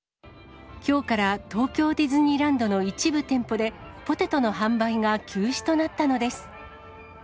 きょうから東京ディズニーランドの一部店舗で、ポテトの販売が休止となったのです。